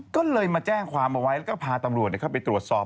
ก็เลยมาแจ้งความเอาไว้แล้วก็พาตำรวจเข้าไปตรวจสอบ